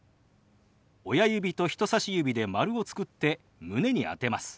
親指と人さし指で丸を作って胸に当てます。